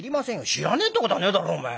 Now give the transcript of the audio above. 「知らねえってことはねえだろお前。